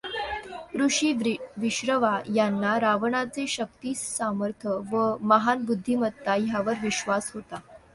ऋषी विश्रवा याना रावणाचे शक्तिसामर्थ व महान बुद्धिमत्ता ह्यावर विश्वास होता.